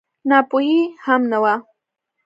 ناپوهي هم نه وه.